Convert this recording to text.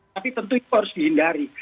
tapi tentu itu harus dihindari